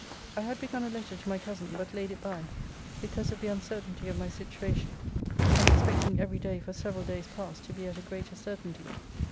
I had begun a letter to my cousin; but laid it by, because of the uncertainty of my situation, and expecting every day for several days past to be at a greater certainty.